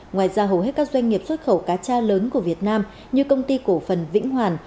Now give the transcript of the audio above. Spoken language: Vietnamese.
ngoài ra hầu hết các doanh nghiệp xuất khẩu cá cha lớn của việt nam như công ty cổ phần vĩnh hoàn